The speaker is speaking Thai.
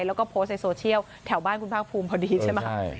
แล้วก็โพสต์ในโซเชียลแถวบ้านคุณภาคภูมิพอดีใช่ไหม